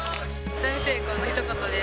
大成功のひと言です。